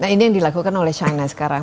nah ini yang dilakukan oleh china sekarang